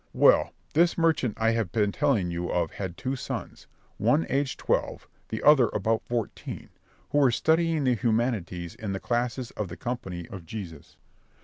Well, this merchant I have been telling you of had two sons, one aged twelve, the other about fourteen, who were studying the humanities in the classes of the Company of Jesus.